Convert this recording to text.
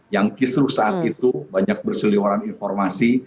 yang kisruh saat itu banyak berseliwaran informasi